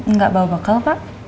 nggak bawa bakal pak